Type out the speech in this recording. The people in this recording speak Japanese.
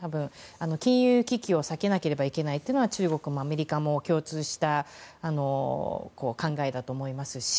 金融危機を避けなければいけないのは中国もアメリカも共通した考えだと思いますし